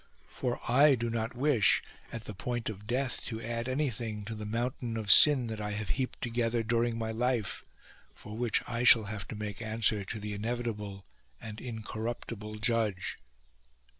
For I do not wish, at the point of death, to add anything to the mountain of sin that I have heaped together during my life, for which I shall have to make answer to the inevitable and in corruptible Judge."